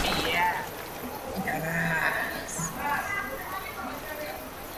პიუნიკმა აღნიშნული საქმე ფიფას დავის გადამწყვეტ კომიტეტს წარუდგინა.